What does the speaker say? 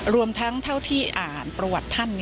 รวมทั้งเท่าที่อ่านประวัติท่าน